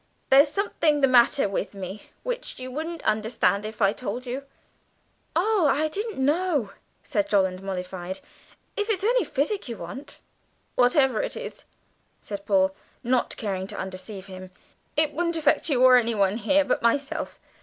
There's something the matter with me which you wouldn't understand if I told you." "Oh, I didn't know," said Jolland, mollified; "if it's only physic you want." "Whatever it is," said Paul, not caring to undeceive him, "it won't affect you or anyone here, but myself.